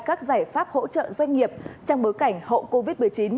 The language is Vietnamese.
các giải pháp hỗ trợ doanh nghiệp trong bối cảnh hậu covid một mươi chín